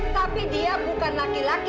tapi dia bukan laki laki